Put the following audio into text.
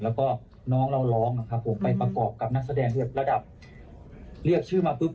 แล้วก็น้องเราร้องนะครับผมไปประกอบกับนักแสดงด้วยระดับเรียกชื่อมาปุ๊บ